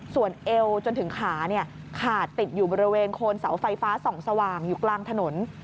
ส่วนเอวจนถึงขาขาดติดอยู่บริเวณโคนเสาไฟฟ้าส่องสว่างอยู่กลางถนน